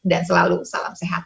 dan selalu salam sehat